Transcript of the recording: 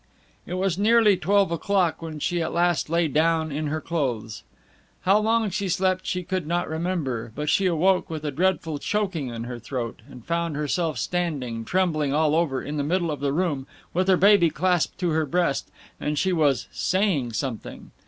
It was nearly twelve o'clock when she at last lay down in her clothes. How long she slept she could not remember, but she awoke with a dreadful choking in her throat, and found herself standing, trembling all over, in the middle of the room, with her baby clasped to her breast, and she was "saying something."